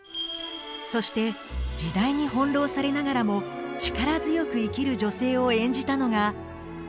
そして時代に翻弄されながらも力強く生きる女性を演じたのが。